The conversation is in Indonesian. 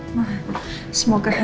iya perhatikan din ya